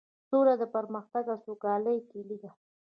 سوله د پرمختګ او سوکالۍ کیلي ده.